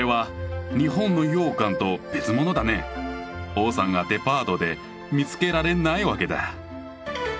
王さんがデパートで見つけられないわけだ。